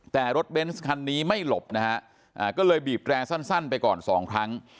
แต่รถเบนส์คันนี้ไม่หลบนะฮะก็เลยบีบแร่สั้นไปก่อนสองครั้ง